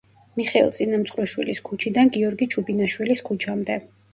მიხეილ წინამძღვრიშვილის ქუჩიდან გიორგი ჩუბინაშვილის ქუჩამდე.